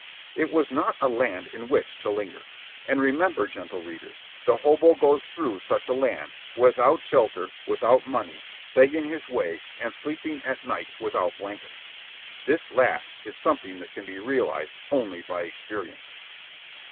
It was not a land in which to linger. And remember, gentle reader, the hobo goes through such a land, without shelter, without money, begging his way and sleeping at night without blankets. This last is something that can be realized only by experience.